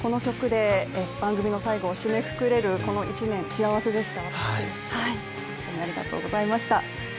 この曲で番組の最後を締めくくるれるこの１年、幸せでした。